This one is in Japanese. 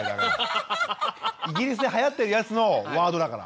イギリスではやってるやつのワードだから。